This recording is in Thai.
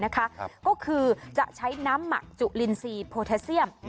ก็คือจะใช้น้ำหมักจุลินทรีย์โพแทสเซียม